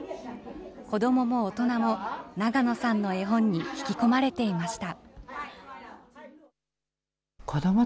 子どもも大人も長野さんの絵本に引き込まれていました。